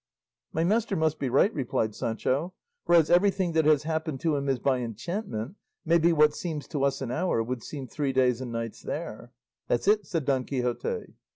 "My master must be right," replied Sancho; "for as everything that has happened to him is by enchantment, maybe what seems to us an hour would seem three days and nights there." "That's it," said Don Quixote.